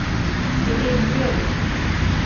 Seni izliyorum.